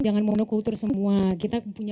jangan monokultur semua kita punya